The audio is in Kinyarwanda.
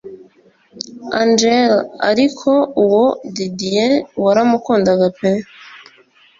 Angel ariko uwo Didie waramukundaga pe